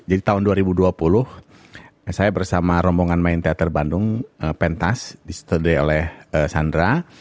jadi tahun dua ribu dua puluh saya bersama rombongan main teater bandung pentas disitu di oleh sandra